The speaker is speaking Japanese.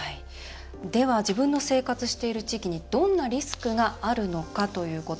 では自分の生活している地域にどんなリスクがあるのかということ。